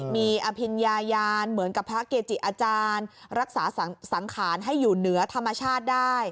มีอภิญญายานเหมือนกับพระเกจิอาจารย์รักษาสังขารให้อยู่เหนือธรรมชาติได้